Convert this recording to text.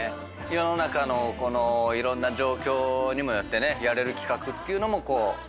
世の中のいろんな状況にもよってねやれる企画っていうのもこう。